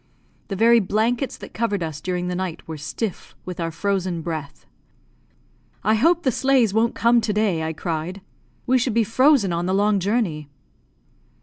The very blankets that covered us during the night were stiff with our frozen breath. "I hope the sleighs won't come to day," I cried; "we should be frozen on the long journey."